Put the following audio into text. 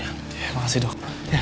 ya makasih dok